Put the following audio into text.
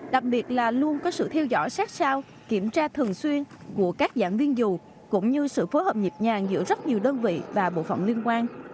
đặc biệt là luôn có sự theo dõi sát sao kiểm tra thường xuyên của các giảng viên dù cũng như sự phối hợp nhịp nhàng giữa rất nhiều đơn vị và bộ phòng liên quan